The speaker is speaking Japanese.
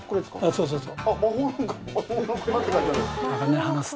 そうそうそう。